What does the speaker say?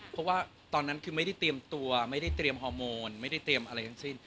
เพราะว่าตอนนั้นคือไม่ได้เตรียมตัวไม่ได้เตรียมฮอร์โมนไม่ได้เตรียมอะไรทั้งสิ้น